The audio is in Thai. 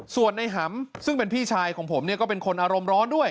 ส่วนในหำซึ่งเป็นพี่ชายของผมเนี่ยก็เป็นคนอารมณ์ร้อนด้วย